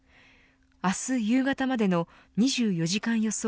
明日夕方までの２４時間予想